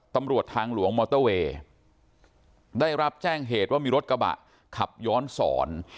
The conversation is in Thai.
ตำรวจทางหลวงมอเตอร์เวย์ได้รับแจ้งเหตุว่ามีรถกระบะขับย้อนสอน